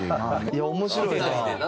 いやあ面白いな。